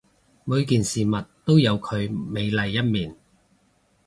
每件事物都有佢美麗一面